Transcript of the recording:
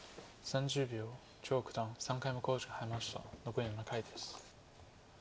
残り７回です。